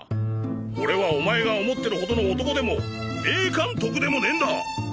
俺はお前が思ってる程の男でも名監督でもねぇんだ。